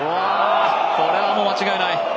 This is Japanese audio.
これはもう間違いない。